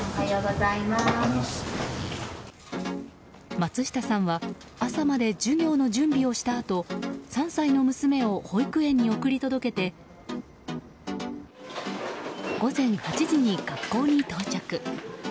松下さんは朝まで授業の準備をしたあと３歳の娘を保育園に送り届けて午前８時に学校に到着。